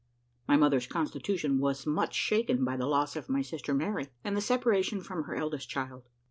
My mother's constitution was much shaken by the loss of my sister Mary, and the separation from her eldest child.